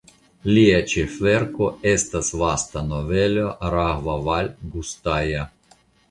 Lia ĉefverko estas vasta novelo "Rahvavalgustaja".